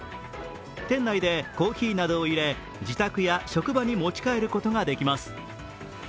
店内でコーヒーなどをいれ、自宅や職場に持ち帰ることができます。